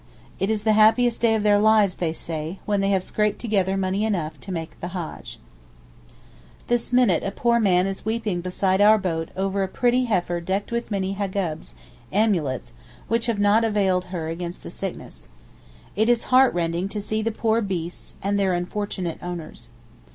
It is the happiest day of their lives, they say, when they have scraped together money enough to make the hajj. This minute a poor man is weeping beside our boat over a pretty heifer decked with many hegabs (amulets), which have not availed against the sickness. It is heart rending to see the poor beasts and their unfortunate owners.